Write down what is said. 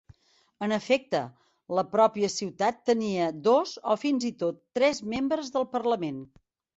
En efecte, la pròpia ciutat tenia dos o fins i tot tres Membres del Parlament.